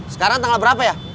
sekarang tanggal berapa ya